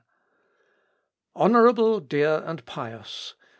"Honourable, dear, and pious!